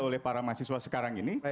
oleh para mahasiswa sekarang ini